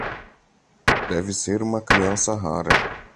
Deve ser uma criança rara.